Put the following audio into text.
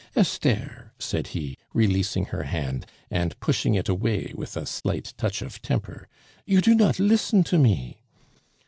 "Esther," said he, releasing her hand, and pushing it away with a slight touch of temper, "you do not listen to me."